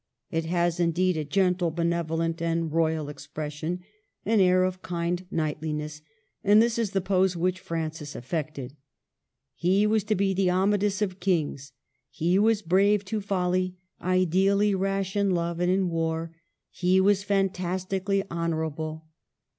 It has, indeed, a gentle benevolent, and royal expression ; an air of kind knightliness : and this is the pose which Francis affected. He was to be the Amadis of kings. He was brave to folly, ideally rash in love and in war; he was fantastically honorable.